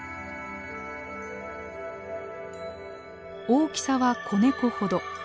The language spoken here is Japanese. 大きさは子ネコほど。